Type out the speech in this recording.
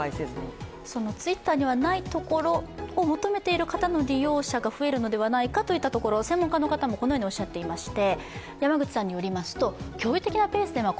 Ｔｗｉｔｔｅｒにはないところを求めている方の利用者が増えるのではないかというところ専門家の方もこのようにおっしゃっていまして。